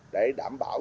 để đảm bảo